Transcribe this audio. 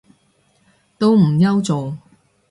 都唔憂做